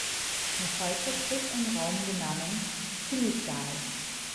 Noch heute trägt ein Raum den Namen „Tilly-Saal“.